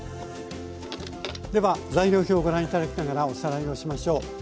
では材料表をご覧頂きながらおさらいをしましょう。